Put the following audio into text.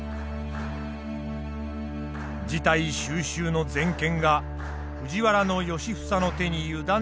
事態収拾の全権が藤原良房の手に委ねられたのだった。